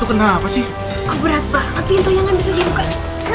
tapi aku maunya ibu sama om gavin bahayakan